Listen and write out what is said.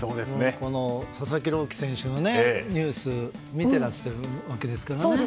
佐々木朗希選手のニュースを見ていらしてるわけですから。